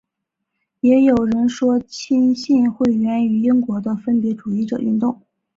也有人说浸信会源于英国的分别主义者运动。